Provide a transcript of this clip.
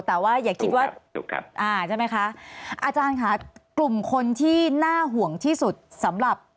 แต่ว่าอย่าคิดว่าอาจารย์ค่ะกลุ่มคนที่น่าห่วงที่สุดสำหรับ